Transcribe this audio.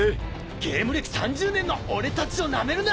ゲーム歴３０年の俺たちをナメるな！